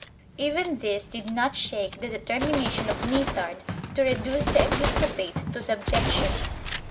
Even this did not shake the determination of Nithard to reduce the episcopate to subjection.